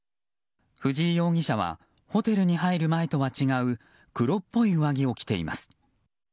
藤井容疑者はホテルに入る前とは違う黒っぽい上着を着ています。